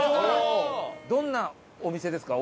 どんなお店ですか？